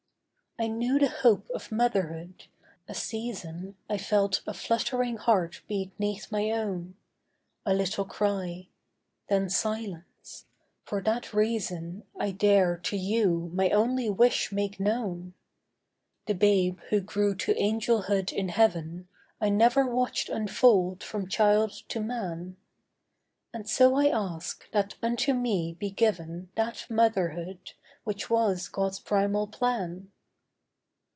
'I knew the hope of motherhood; a season I felt a fluttering heart beat 'neath my own; A little cry—then silence. For that reason I dare, to you, my only wish make known. The babe who grew to angelhood in heaven, I never watched unfold from child to man. And so I ask, that unto me be given That motherhood, which was God's primal plan.